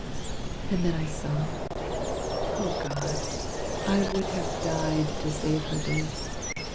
And then I sobbed, "O God! I would have died To save her this."